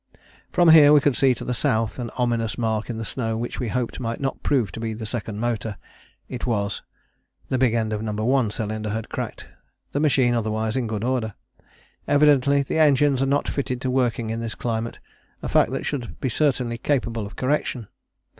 From here we could see to the South an ominous mark in the snow which we hoped might not prove to be the second motor. It was: "the big end of No. 1 cylinder had cracked, the machine otherwise in good order. Evidently the engines are not fitted to working in this climate, a fact that should be certainly capable of correction.